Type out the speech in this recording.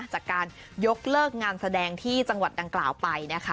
จากการยกเลิกงานแสดงที่จังหวัดดังกล่าวไปนะคะ